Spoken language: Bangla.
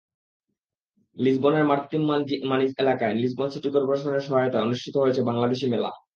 লিসবনের মার্তিম মনিজ এলাকায় লিসবন সিটি করপোরেশনের সহায়তায় অনুষ্ঠিত হয়েছে বাংলাদেশি মেলা।